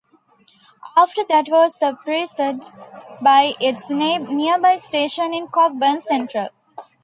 After that was superseded by its nearby station in Cockburn Central.